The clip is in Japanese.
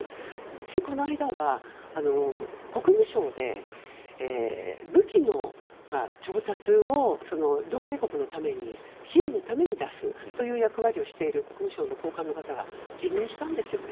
ついこの間は、国務省で武器の調達を同盟国のために支援のために出すという役割をしている国務省の高官の方が辞任したんですよね。